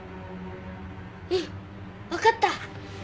うんわかった。